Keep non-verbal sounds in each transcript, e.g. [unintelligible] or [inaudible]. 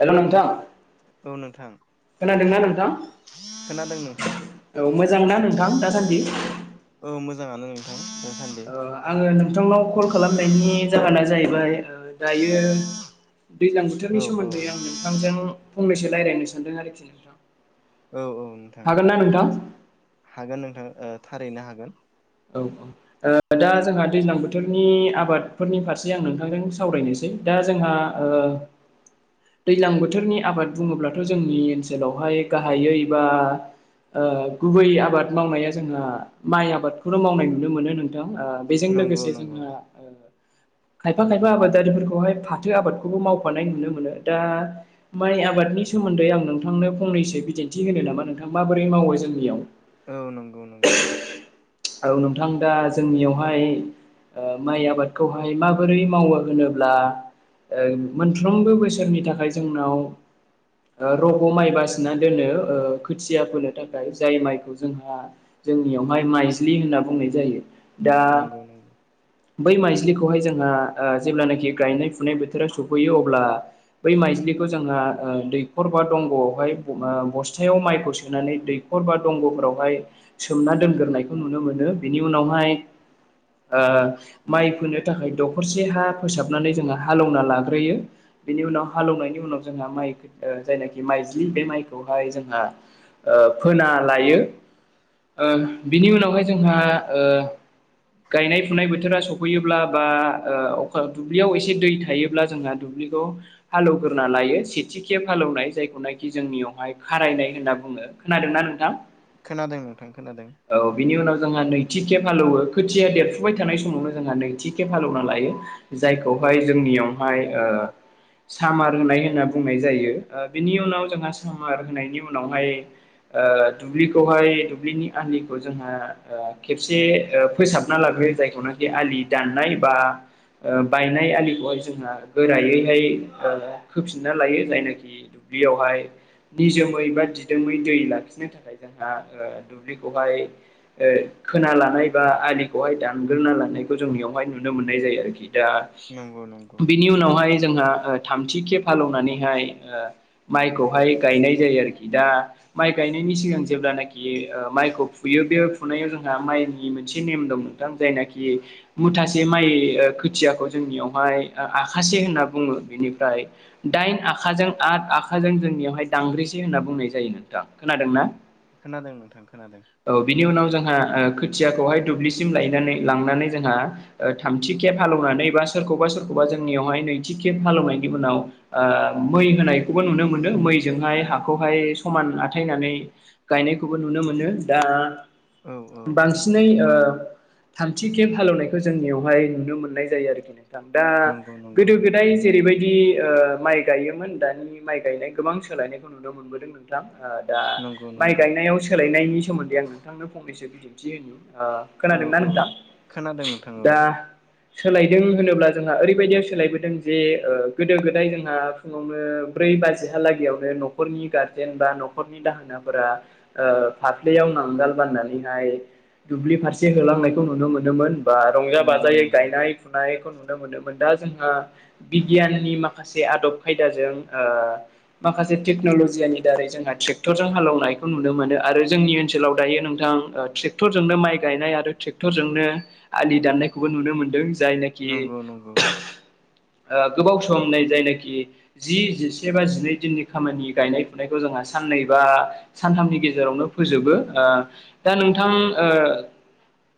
Hello नोंथां। औ नोंथां। खोनादोंना नोंथां? खोनादों नोंथां औ मोजां ना नोंथां दासान्दि। औ औ। ओ आङो नोंथांनाव कल खालामनायनि जाहोना जायो ओफ्राय दायो दैज्लां औ बोथोरनि औ सोमोन्दै आं नोंथांजों फंनैसो रायलायनो सानदों आरोखि नोंथां। औ औ नोंथां। हागोन ना नोंथां [inaudible] हागोन नोंथां ओ थारैनो हागोन। औ औ दा जोंहा दैज्लां बोथोरनि आबादफोरनि फारसे आं नोंथांजों सावरायनोसै। दा जोंहा ओ दैज्लां बोथोरनि आबाद बुङोब्लाथ' जोंनि ओनसोलावहाय गाहायै बा ओ गुबै आबाद मावनाया जोंहा माइ आबादखौ बे खौनो मावनाय नुनो मोनो नोंथां ओ बेजों नंगौ लोगोसे नंगौ जोंहा खायफा खायफा आबादारिफोरखौहाय फाथो आबादखौबो मावफानाय नुनो मोनो दा माइ आबादनि सम सोमोन्दै आं नोंथांनो फंनैसो बिदिन्थि होनो नामा नोंथां माबोरै मावो जोंनियाव? औ नंगौ नंगौ। औ नोंथां दा जोंनियावहाय ओ- माइ आबादखौहाय माबोरै मावो होनोब्ला ओ मोनफ्रोमबो बोसोरनि थाखाय जोंनाव ओ रग' माइ बासिना दोनो ओ- खोथिया फोनो थाखाय जाय माइखौ जोंहा जोंनियावहाय माइजलि होनना बुंनाय जायो। दा नंगौ नंगौ। बै माइज्लिखौहाय जोंहा ओ जेब्लानाखि गायनाय फुनाय बोथोराव सफैयो अब्ला बै माइज्लि खौ जोंहा ओ दैखर बा दंग'हाय ओ- बस्थायाव माइखौ सोनानै दैखर द बा दंग' फोरावहाय सोमना दोनग्रोनायखौ नुनो मोनो बेनि उनावहाय ओ- माइ फोनो थाखाय दखरसे हा फोसाबनानै जोहा हालेवना लाग्रोयो। बेनि उनाव हालेवनायनि उनाव जोंहा माइ ओ- जायनाखि माइज बे माइखौहाय जोंहा ओ- फोना लायो ओ- बिनि उनावहाय जोंहा ओ गायनाय फुनाय बोथोरा सफैयोब्ला बा ओ- अखा दुब्लियाव एसे दै थायोब्ला जोंहा दुब्लि खौ हालौवग्रोना लायो सेथि खे हालौवनाय जायखौनाखि जोंनियावहाय खारायनाय होनना बुङोबो खोनादोंना नोंथां? खोनादों नोंथां खोनादों। औ बिनि उनाव जोंहा नैथि खेब हालौवो खोथिया देरफुबाय थानाय समावनो जोंहा नैथि खेब हालौवना लायो। जायखौहाय जोंनियावहाय ओ सामार होनाय होनना बुंनाय जायो ओ- बिनि उनाव जोंहा सामार होनायनि उनावहाय ओ- दुब्लिखौहाय दुब्लिनि आनि खौ जोंहा ओ- खेबसे फोसाबना लाबो्रयो जायखौनाखि आलि दाननाय बा ओ- बायनाय आलिखौहाय जोंहा गोरायैहाय ओ- खोफिनना लायो जायनाखि बेयावहाय निजोमै बा दिदोमै दै लाखिनो थाखाय जोंहा ओ दुब्लिखौहाय ओ खोना लानाय बा आलिखौहाय दानग्रोना लानायखौ जोंनियावहाय नुनो मोननाय जायो आरोखि। दा नंगौ नंगौ बिनि उनावहाय जोंहा ओ थामथि खे हालौनानैहाय ओ माइखौहाय गायनाय जायो आरोखि दा माइ गाय नि सिगां जेब्लानखि ओ माइखौ फुयो बे फुनायाव जोंहा माइनि मोनसे नेम दं नोंथां जायनाखि मुथासे माइ ओ खुथियाखौ जोंनियावहाय ओ आखाासे होनना बुङो बेनिफ्राय दाइन आखाजों आ आ आखाजों जोंनियावहाय दांग्रिसै होनना बुंनाय जायो नोंथां खोनादों ना? खोनादों नोंथां खोनादों। औ बिनि उनाव जोंहा ओ खोथियाखौहाय दुब्लिसिम लायनानै लांनानै जोंहा ओ थामथि खेब हालनानै बा सोरखौबा सोरखौबा जोंनियावहाय नैथि खेब हालनायनि उनाव ओ मै होनाय नुनो मोनो मैजोंहाय हाखौहाय समान आथायनानै गायनायखौबो नुनो मोनो। दा औ औ बांसिनै ओ थामथि खेब हालेवनायखौ जोंनियावहाय नुनो मोननाय जायो आरोखि। दा नंगौ नंगौ गोदो गोदाय जेरैबायदि ओ माइ गायोमोन दानि माइ गायनाय गोबां सोलायनायखौ नुनो मोनबोदों नोंथां दा नंगौ माइ नंगौ गायनायाव सोलायनायनि सोमोन्दै आं नोंथांनो फंनैसो बिदिन्थि हो ओ औ खोनादोंना औ नोंथां खोनादों नोंथां औ दा सोलायदों होनोब्ला जोंहा ओरैबायदियाव सोलायबोदों जे ओ गोदो गोदाय जोंहा फुङावनो ब्रै बाज हलागैनो न'खनि गारजेन बा न'खरनि दाहोनाफोरा ओ दुब्लियाव नांगाल बान्नानैहाय दुब्लि फारसे होलांनायखौ नुनो मोनोमोन। बा रंजा नंगौ बाजायै नंगौ गायनाय फुनाय नुनो मोनोमोन दा जोंहा बिगियाननि माखासे आदब खायदाजों ओ माखासे टेक्न'लजियानि दारै जोंहा ट्रेक्टरजों हालौनायखौ नुनो मोनो आरो जोंनि ओनसोलाव दायो नोंथां ट्रेक्टरजोंनो माइ गायनाय आरो ट्रेक्टरजोंनो आलि दाननायखौबो नुनो मोनदों जायनाखि नंगौ ओ गोबाव सम नै जायनाखि जि जिसे बा जिनै दिननि खामानि गायनाय फुनायखौ जों ह साननै बा सानथामनि गेजेरावनो फोजोबो ओ दा नोंथां ओ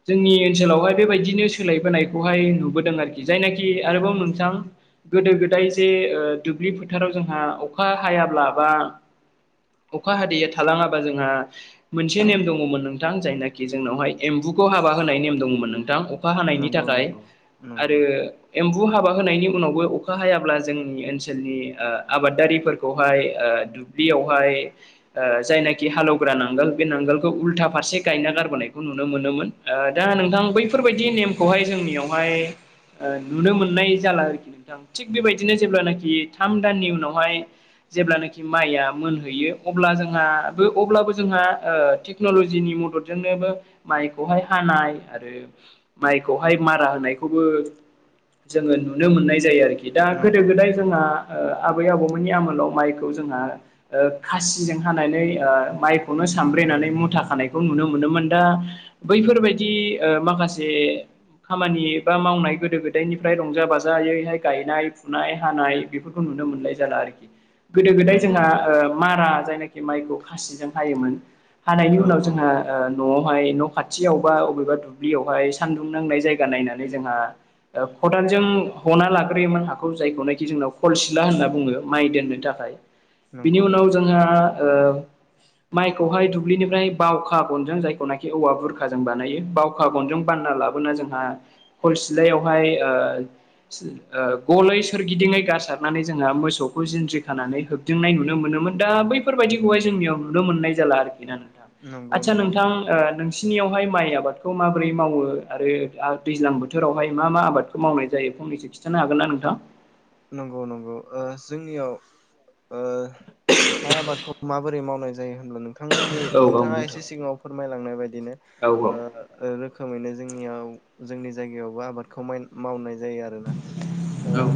जोंनि ओनसोलावहाय बेबायदिनो सोलायबोनायखौहाय नुबोदों आरोखि जायनाखि आरोबाव नोंथां गोदो गोदाय जे ओ दुब्लि फोथाराव जोंहा अखा हायाब्ला बा अखा हादैया थालाङाबा जोंहा मोनसे नेम दङमोन नोंथां जायनाखि जोंनावहाय एम्बुखौ हाबा होनाय नेम दङमोन नोंथां। अखा हानायनि नंगौ थाखाय नंगौ नंगौ आरो एम्बु हाबा होनायनि उनावबो अखा हायाब्ला जोंनि ओनसोलनि ओ आबादारिफोरखौहाय ओ दुब्लियाव हाय ओ जायनाखि हालौवग्रा नांगोल बे नांगोलखौ उल्था फारसे गायना गारोनायखौ नुनो मोन ओ दा नोंथां बैफोरबायदि नेमखौहाय जों जोंनियावहाय ओ नुनो मोननाय जाला आरोखि नोंथां, थिग बेबायदिनो जेब्लानाखि थाम दाननि उनावहाय जेब्लानोखि माइआ मोनहैयो अब्ला जोंहा अब्लाबो जोंहा ओ टेक्न'लजिनि मददजोंनोबो माइखौहाय हानाय आरो माइखौहाय मारा होनायखौबो जोङो नुनो मोननाय जायो आरोखि। दा गोदो नंगौ गोदाय नंगौ जोंहा ओ आबै आबौ मोननि आमोलाव माइखौ जोंहा ओ खासिजों हानानै ओ माइखौनो फानब्रेनानै मुथा खानायखौ नुनो मोनोमोन दा बैफोरबायदि ओ माखासे खामानि एबा मावनाय गोदो गोदायनिफ्राय रंजा बाजायैहाय गायनाय फुनाय हानाय बेफोरखौ नु नुनो मोननाय जाला आरोखि गोदो गोदाय नंगौ जोंहा नंगौ ओ मारा जायनाखि माइखौ खासिजों हायोमोन हानायनि औ उनाव औ जोंहा ओ न'आव बेहाय न' खाथियाव बा अबेबा दुब्लियावहाय सानदुं नांनाय जायगा नायनानै जोंहा खदालजों हना लाग्रोयोमोन हाखौ जायखौनाखि जोंनाव खलसिला होनना बुङो माइ दोननो थाखाय। बिनि नंगौ उनाव नंगौ जोंहा ओ माइ खौहाय दुब्लिनिफ्राय बावखा गनजों जायखौनाखि औवा बुरखाजों बानायो बावखा गनजों बानना लाबोनानै जोंहा खल सिलायावहाय ओ ओ गलै सोरगिदिङै गारसारनानै जोंहा मोसौखौ जिनज्रि खानानै होबदिंनाय नुनो मोनो मोन दा बैफोरबायदिखौहाय जोंनियाव नुनो मोननाय जाला आरोखि ना नोंथां। नंगौ आदसा नंगौ नोंथां थारैनो ओ नोंसिनियाव माइ आबादखौ मा माबोरै मावो आरो दैज्लां बोथोरावहाय मा मा आबादखौ मावनाय जायो फंनैसो खिन्थानो हागोन ना नोंथां? नंगौ नंगौ ओ जोंनियाव ओ माइ आबादखौ माबोरै मावनाय जायो नोंथांमोननि औ औ नोंथाङा नोंथां एसे सिगाङाव फोरमायलांनाय बायदिनो औ ओ रोखोमैनो जोंनियाव जोंनि जायगायावबो आबादखौ माय-मावनाय जायो आरोना। ओ औ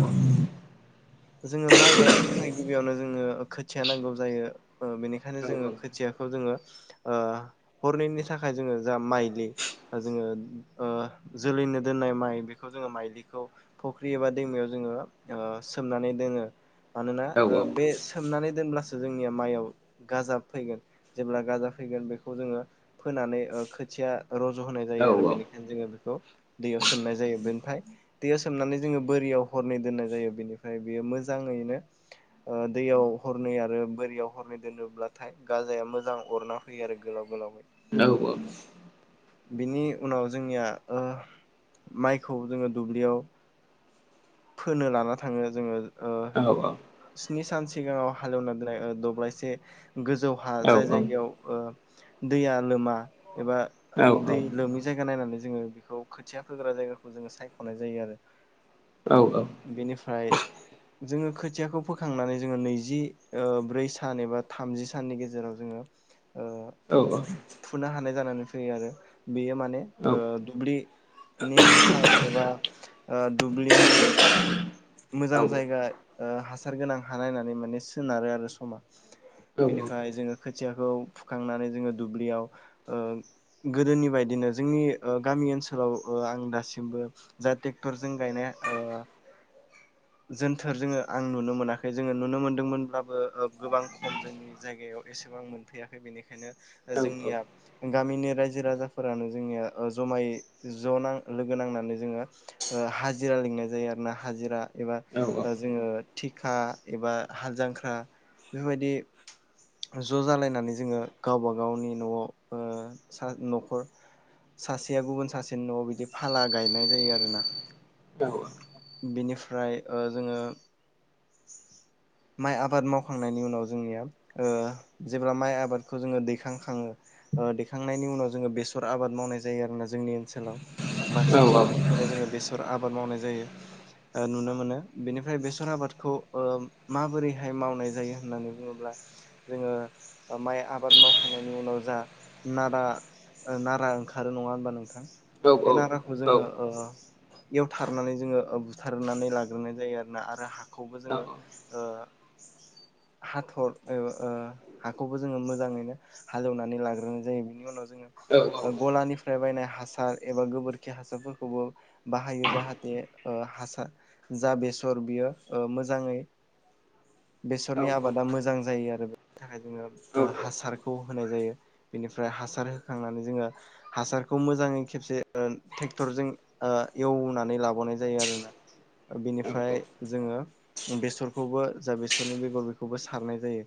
जोङो माइ गायनो थाखाय गिबियावनो जोङो खोथिया नांगौ जायो। ओ बेनिखायनो जोङो औ खोथियाखौ जोङो ओ हरनैनि थाखाय जोङो जा माइलि जोङो ओ जोलैनो दोननाय माइ बेखौ जोङो माइलिखौ फुख्रि एबा दैमायाव जोङो ओ सोमनानै दोनो मानोना ओ बे सोमनानै दोनब्लासो जोंनिया माइयाव गाजा फैगोन जेब्ला गाजा फैगोन बेखौ जोङो फोनानै ओ खोथिया रज' होनाय जायो आरो। बेनिखायनो जोङो बेखौ दैयाव सोमनाय जायो बेनिफ्राय दैयाव सोमनानै जोङो बोरियाव हरनै दोननाय जायो, बेनिफ्राय बेयो मोजाङैनो ओ दैयाव हरनै आरो बोरियाव हरनै दोनोब्लाथाय गाजाया मोजां अरना फैयो आरो गोलाव गोलावै औ औ। बिनि उनाव जोंनिया ओ माइखौ जोङो दुब्लियाव फोनो लाना थाङो जोङो ओ औ औ। स्नि सान सिगाङाव हालेवना दोननाय ओ दब्लायसे गोजौ हा जाय जायगायाव ओ दैया लोमा एबा दै लोमि जायगा नायनानै जोङो बेखौ खोथिया फोग्रा जायगाखौ जोङो सायख'नाय जायो आरो। बेनिफ्राय जोङो खोथियाखौ फोखांनानै जोङो ओ नैजिब्रै सान एबा थामजि साननि गेजेराव जोङो ओ औ औ। फुनो [unintelligible] आरो। बेयो माने ओ दुब्लिनि हासार एबा ओ दुब्लिनि मोजां जायगा ओ हासार गोनां हा नायनानै माने सोनारो आरो समा बेनिफ्राय जोङो खो खोथियाखौ फुखांनानै जोङो दुब्लियाव ओ गोदोनि बायदिनो जोंनि ओ गामियाव ओनसोलाव आं दासिमबो जा ट्रेक्टरजों गायनाय ओ [inaudible] जोनथोर जोङो आं नुनो मोनाखै जोङो नुनो मोनदोंमोनब्लाबो गोबां खम जोंनि जायगायाव एसे आं मोनफैयाखै बेनिखायनो जोंनिया गामिनि रायजो राजाफोरानो जोंनिया जमाय ज लोगो नांनानै जोङो हाजिरा लिंनाय जायो आरो ना हाजिरा एबा जोङो थिखा एबा हाल जांख्रा बेफोरबायदि ज' जालायनानै जोङो गावबा गावनि न'आव ओ न'खर सासेया गुबुन सासेनि न'आव बिदि फाला गायनाय जायो आरोना बेनिफ्राय ओ जोङो [inaudible] माइ आबाद मावखांनायनि उनाव जोंनिया ओ जेब्ला माइ आबादखौ जोङो दैखांखाङो ओ दैखांनायनि उनाव जोङो बेसर आबाद मावनाय जायो आरो ना जोंनि ओनसोलाव बांसिन सुबुंफोरखौनो जोङो बेसर आबाद मावनाय जायो नुनो मोनो बेनिफ्राय बेसर आबादखौ माबोरैहाय मावनाय जायो होननानै बुङोब्ला जोङो माइ आबाद मावखांनायनि उनाव जा नारा नारा ओंखारो नङा होनबा नोंथां बे नाराखौ जोङो इवथारनानै जोङो। बुथारनानै लाग्रोनाय जायो आरोना आरो हाखौबो जोङो हाथर हाखौबो जोङो मोजाङैनो हालेवनानै लाग्रोनाय जायो बेनि उनाव गलानि बायनाय हासार एबा गोबोरखि हासारफोरखौबो बाहायो जाहाथे हासार जा बेसर बियो मोजाङै [inaudible] बेसरनि आबादा मोजां जायो आरो बेनि थाखाय जोङो हासारखौ होनाय जायो बेनिफ्राय हासार होखांनानै जोङो हासारखौ मोजाङै खेबसे ट्रेक्टरजों एवनानै लाबोनाय जायो आरोना [inaudible] बिनिफ्राय जोङो बेसरखौबो जा बेसरनि बेगर बेखौबो सारनाय जायो।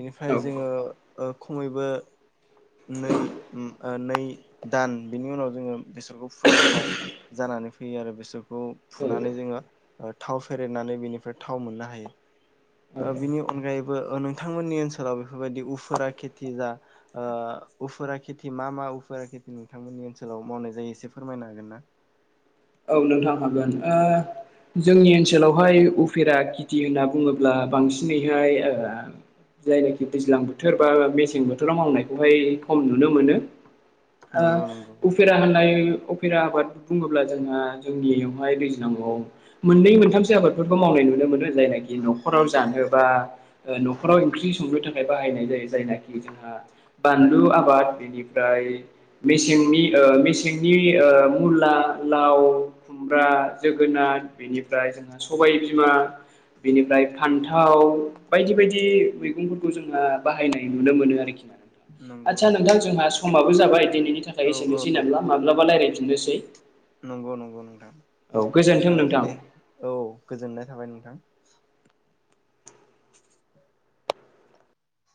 बेनिफ्राय जोङो खमैबो नै नै दान बिनि उनाव जोङो बेसरखौ फुनो हानाय नानै फैयो आरो बिसोरखौ फुनानै जोङो थाव फेरेदनानै बेनिफ्राय थाव मोननो हायो। बिनि अनगायैबो नोंथांमोननि ओनसोलाव बेफोरबायदि उफुरा खेथि जा उफुरा खेथि मा मा उफुरा खेथि नोंथांमोननि ओनसोलाव मावनाय जायो एसे फोरमायनो हागोन ना? औ नोंथां हागोन जोंनि ओनसोलावहाय उफेरा खेथि होनना बुङोब्ला बांसिनैहाय जायनाखि दैज्लां बोथोर बा मेसें बोथोराव मावनायखौहाय खम नुनो मोनो। नंगौ नंगौ उफेरा होननाय उफेरा आबाद बुङोब्ला जोंहा जोंनियावहाय दैज्लाङाव मोननै मोनथामसो आबादफोरखौ मावनाय नुनो मोनो। जायनाखि न'खराव जानो बा न'खराव ओंख्रि संनो थाखाय बायनाय जायो जायनाखि जोंहा बानलु आबाद बेनिफ्राय मेसेंनि मेसेंनि मुला लाव खुमब्रा जोगोनार बेनिफ्राय जोंहा सबाय बिमा बेनिफ्राय फान्थाव बायदि बायदि मैगंफोरखौ जोङो बाहायनाय नुनो मोनो आरोखि नंगौ आदसा नोंथां नंगौ जोंहा समाबो जाबाय दिनैनि थाखाय औ एसेनोसै औ नामा माब्लाबा रायलायफिननोसै। नंगौ नंगौ नोंथां औ गोजोन्थों नोंथां दे औ गोजोननाय थाबाय नोंथां [inaudible]